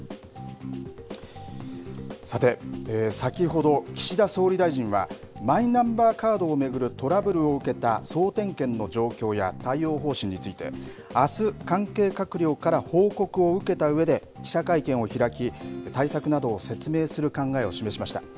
さて、先ほど岸田総理大臣はマイナンバーカードを巡るトラブルを受けた総点検の状況や対応方針についてあす、関係閣僚から報告を受けたうえで記者会見を開き対策などを説明する考えを示しました。